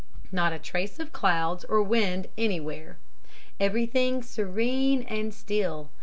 Not a trace of clouds or wind anywhere. Everything serene and still.